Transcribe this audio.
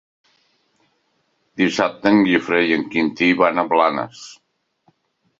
Dissabte en Guifré i en Quintí van a Blanes.